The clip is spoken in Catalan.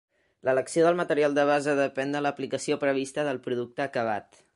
L'elecció del material de base depèn de l'aplicació prevista del producte acabat.